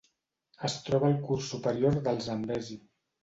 Es troba al curs superior del Zambezi.